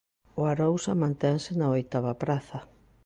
O Arousa mantense na oitava praza.